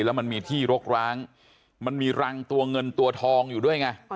แล้วมันมีที่รกร้างมันมีรังตัวเงินตัวทองอยู่ด้วยไง